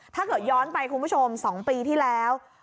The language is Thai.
ถ้าเกิดย้อนไปคุณผู้ชม๒ปีที่แล้ว